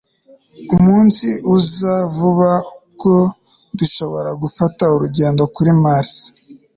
Umunsi uza vuba ubwo dushobora gufata urugendo kuri Mars